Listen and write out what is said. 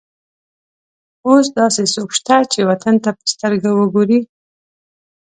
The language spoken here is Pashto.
اوس داسې څوک شته چې وطن ته په سترګه وګوري.